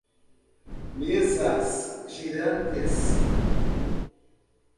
Mesas girantes